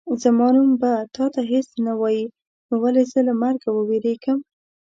زما نوم به تا ته هېڅ نه وایي نو ولې زه له مرګه ووېرېږم.